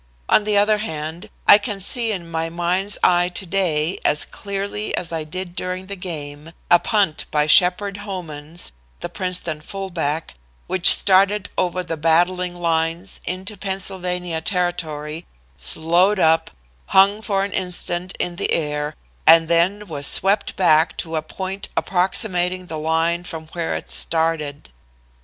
On the other hand, I can see in my mind's eye to day, as clearly as I did during the game, a punt by Sheppard Homans, the Princeton fullback, which started over the battling lines into Pennsylvania territory, slowed up, hung for an instant in the air and then was swept back to a point approximating the line from where it started.